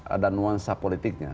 ada nuansa politiknya